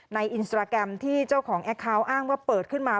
อินสตราแกรมที่เจ้าของแอคเคาน์อ้างว่าเปิดขึ้นมา